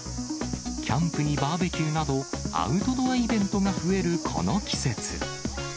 キャンプにバーベキューなど、アウトドアイベントが増えるこの季節。